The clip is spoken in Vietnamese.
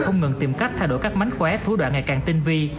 không ngừng tìm cách thay đổi các mánh khóe thú đoạn ngày càng tinh vi